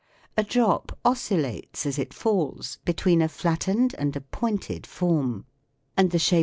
A drop oscillates, as it falls, between a flattened and a pointed form ; and the shape of the FIG.